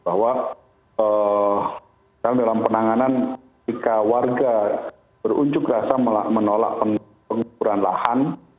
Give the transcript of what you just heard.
bahwa dalam penanganan jika warga beruncuk rasa menolak pengukuran lahan